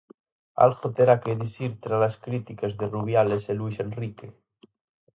Algo terá que dicir tras as críticas de Rubiales e Luís Enrique.